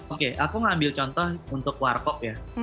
oke aku ngambil contoh untuk war cop ya